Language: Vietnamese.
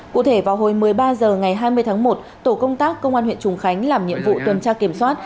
cụ thể vào hồi một mươi ba h ngày hai mươi tháng một tổ công tác công an huyện trùng khánh làm nhiệm vụ tuần tra kiểm soát